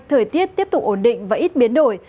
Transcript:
thời tiết tiếp tục ổn định và ít biến đổi